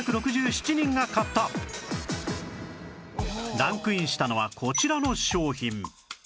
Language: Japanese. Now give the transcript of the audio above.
ランクインしたのはこちらの商品